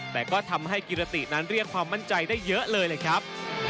แต่ก็ทำให้กิรตินั้นเรียกความมั่นใจได้เยอะเลยเลยครับ